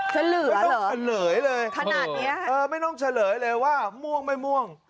เฉลื่อเหรอขนาดนี้ไม่ต้องเฉลยเลยไม่ต้องเฉลยเลยว่าม่วงไม่ม่วง